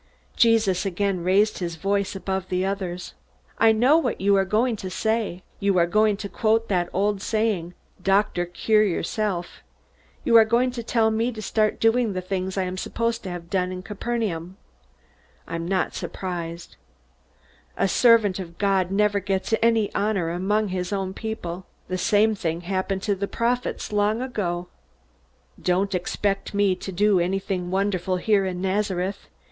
Jesus again raised his voice above the others': "I know what you are going to say. You are going to quote that old saying, 'Doctor, cure yourself.' You are going to tell me to start doing the things I am supposed to have done in Capernaum. I'm not surprised. A servant of God never gets any honor among his own people. The same thing happened to the prophets long ago. "Don't expect me to do anything wonderful here in Nazareth.